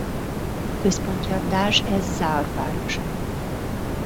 Központja Dajr ez-Zaur városa.